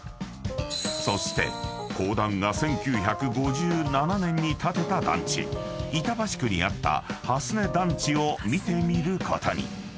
［そして公団が１９５７年に建てた団地板橋区にあった蓮根団地を見てみることに］